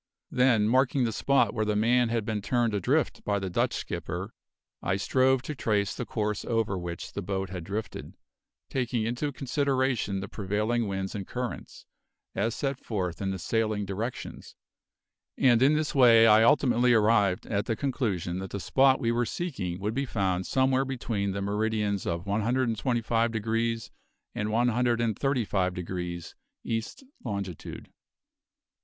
Then, marking the spot where the man had been turned adrift by the Dutch skipper, I strove to trace the course over which the boat had drifted, taking into consideration the prevailing winds and currents, as set forth in the Sailing Directions; and in this way I ultimately arrived at the conclusion that the spot we were seeking would be found somewhere between the meridians of 125 degrees and 135 degrees east longitude.